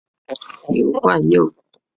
刘冠佑。